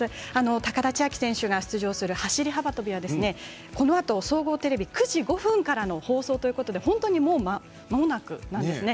高田千明選手が出場する走り幅跳びはこのあと、総合テレビ９時５分からの放送ということで本当に、もうまもなくなんですね。